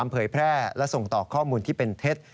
เผยแพร่และส่งต่อข้อมูลที่เป็นเท็จ